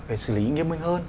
phải xử lý nghiêm minh hơn